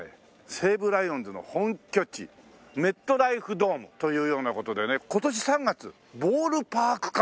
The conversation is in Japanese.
西武ライオンズの本拠地メットライフドームというような事でね今年３月ボールパーク化